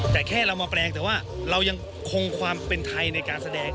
แต่แค่เรามาแปลงแต่ว่าเรายังคงความเป็นไทยในการแสดง